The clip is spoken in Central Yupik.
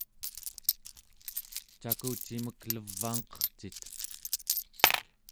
cakucimek levaangqercit?